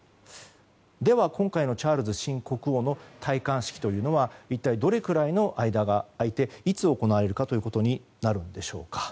では、今回のチャールズ新国王の戴冠式というのは一体どれくらいの間が空いていつ行われるかということになるんでしょうか。